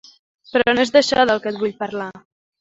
Però no és d'això del que et vull parlar.